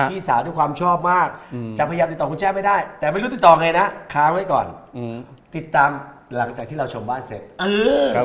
พี่สาวด้วยความชอบมากจะพยายามติดต่อคุณแจ้ไม่ได้แต่ไม่รู้ติดต่อไงนะค้างไว้ก่อนติดตามหลังจากที่เราชมบ้านเสร็จ